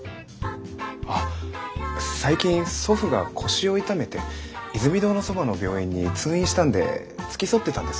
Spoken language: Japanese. あ最近祖父が腰を痛めてイズミ堂のそばの病院に通院したんで付き添ってたんです。